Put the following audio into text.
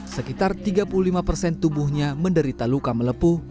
sekitar tiga puluh lima persen tubuhnya menderita luka melepuh